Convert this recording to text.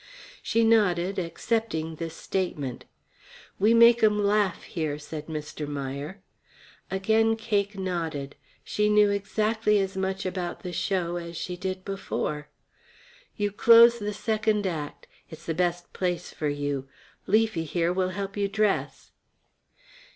She nodded, accepting his statement. "We make 'em laugh here," said Mr. Meier. Again Cake nodded; she knew exactly as much about the show as she did before. "You close the second act; it's the best place for you. Leafy, here, will help you dress."